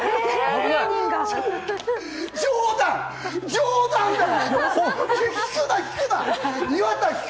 冗談だよ！